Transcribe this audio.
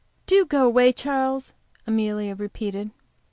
"Do go away, Charles," Amelia repeated.